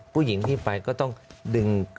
ผู้หญิงที่ไปก็ต้องดึง